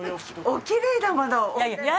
おきれいだもの。